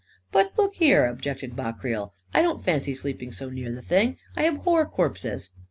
" But look here," objected Ma Creel, " I don't fancy sleeping so near the thing. I abhor corpses."